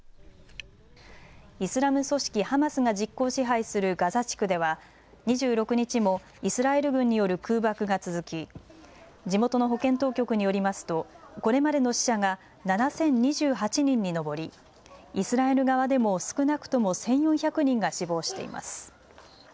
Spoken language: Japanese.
イスラム組織ハマスが実効支配するガザ地区では２６日もイスラエル軍による空爆が続き地元の保健当局によりますとこれまでの死者が７０２８人に上りイスラエル側でも少なくとも１４００人が死亡しています。